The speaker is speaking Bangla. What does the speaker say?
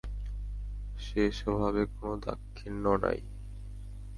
সে স্বভাবে কোনো দাক্ষিণ্য নেই।